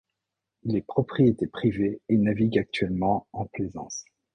Il est propriété privée et navigue actuellement en plaisance.